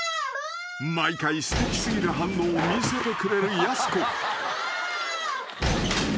［毎回すてき過ぎる反応を見せてくれるやす子］